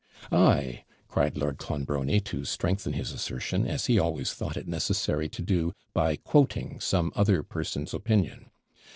'Ay,' cried Lord Clonbrony, to strengthen his assertion, as he always thought it necessary to do, by quoting some other person's opinion.